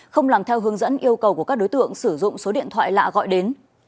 không làm theo hướng dẫn yêu cầu của các đối tượng sử dụng số điện thoại lạ gọi đến